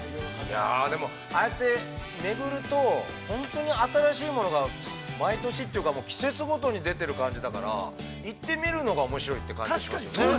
◆いや、でも、ああやって、めぐると、本当に新しいものが毎年というか、季節ごとに出てる感じだから、行ってみるのが、おもしろいという感じですね。